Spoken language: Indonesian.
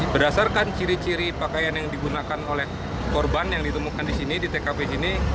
berdasarkan ciri ciri pakaian yang digunakan oleh korban yang ditemukan di sini di tkp sini